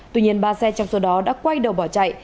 tuy nhiên ba xe trong số đó đã quay đầu bỏ chạy